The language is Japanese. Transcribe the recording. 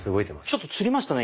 ちょっとつりましたね